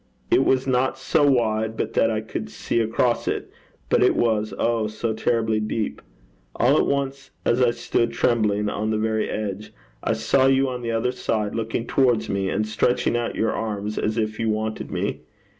It was not so wide but that I could see across it, but it was oh! so terribly deep. All at once, as I stood trembling on the very edge, I saw you on the other side, looking towards me, and stretching out your arms as if you wanted me.